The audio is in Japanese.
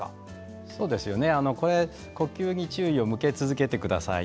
呼吸に注意を向け続けてください。